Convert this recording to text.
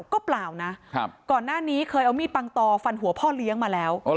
ก็เปล่านะก่อนหน้านี้เคยเอามีดปังตอฟันหัวพ่อเลี้ยงมาแล้ว